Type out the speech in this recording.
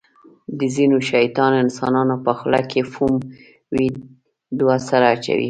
د ځینو شیطان انسانانو په خوله کې فوم وي. دوه سره اچوي.